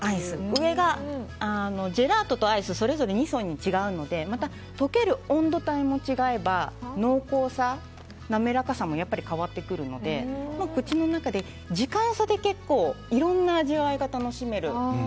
上がジェラートとアイスそれぞれ２層に違うので溶ける温度帯も違えば濃厚さ、滑らかさも変わってくるので口の中で時間差で結構いろんな味わいが楽しめる。